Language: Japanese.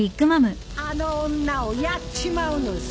あの女をやっちまうのさ